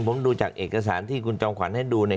ผมดูจากเอกสารที่คุณจอมขวัญให้ดูเนี่ย